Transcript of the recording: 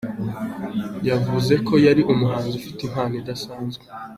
Yavuze ko yari umuhanzi ufite impano idasanzwe.